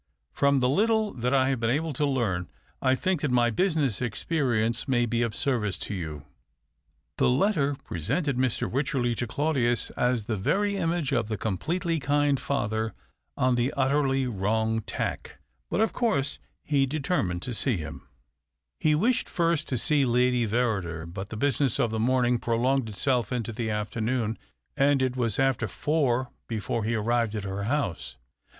From the little that I have been able to learn, I think that my business experience may be of service to you." The letter presented Mr. Wycherley to Claudius as the very image of the completely kind father on the utterly wrong tack ; but of course, he determined to see him. 288 THE OCTAVE OF CLAUDIUS. He wished first to see Lady Verrider, but the business of the morning prolonged itself into the afternoon, and it was after four before he arrived at her house.